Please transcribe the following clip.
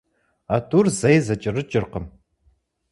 А тӀур зэи зэкӀэрыкӀыркъым.